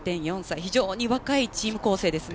非常に若いチーム構成ですね。